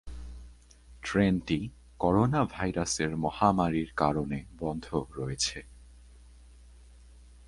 ট্রেনটি করোনাভাইরাসের মহামারীর কারণে বন্ধ রয়েছে।